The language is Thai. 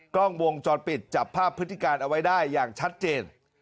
กล้องวงจรปิดจับภาพพฤติการเอาไว้ได้อย่างชัดเจน